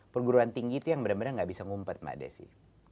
perguruan tinggi itu yang benar benar nggak bisa ngumpet mbak desi